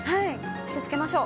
気をつけましょう。